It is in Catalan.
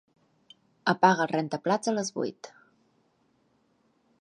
Apaga el rentaplats a les vuit.